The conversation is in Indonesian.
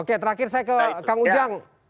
oke terakhir saya ke kang ujang